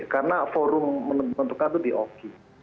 karena forum menentukan itu di oki